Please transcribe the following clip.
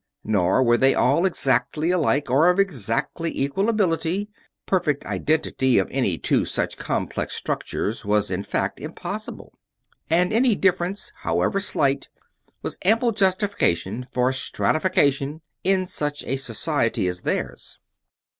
Nor were they all exactly alike or of exactly equal ability; perfect identity of any two such complex structures was in fact impossible, and any difference, however slight, was ample justification for stratification in such a society as theirs.